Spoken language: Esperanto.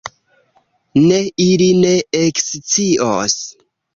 Ne, ili ne ekscios!